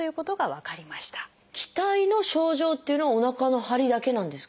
気滞の症状っていうのはおなかのハリだけなんですか？